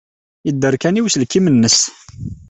Yedder kan i uselkim-nnes.